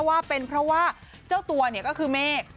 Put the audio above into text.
ว่าเป็นเพราะว่าเจ้าตัวเนี่ยก็คือเมฆ